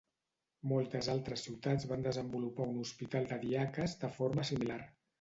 Moltes altres ciutats van desenvolupar un hospital de diaques de forma similar.